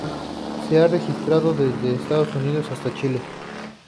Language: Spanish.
Se ha registrado desde Estados Unidos hasta Chile.